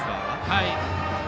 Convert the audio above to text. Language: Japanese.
はい。